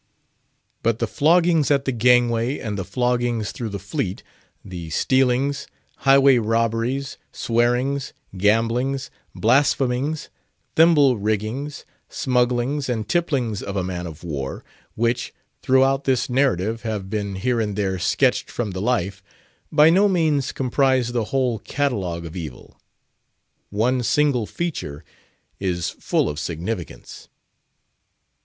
Bur the floggings at the gangway and the floggings through the fleet, the stealings, highway robberies, swearings, gamblings, blasphemings, thimble riggings, smugglings, and tipplings of a man of war, which throughout this narrative have been here and there sketched from the life, by no means comprise the whole catalogue of evil. One single feature is full of significance.